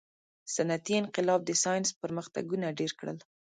• صنعتي انقلاب د ساینس پرمختګونه ډېر کړل.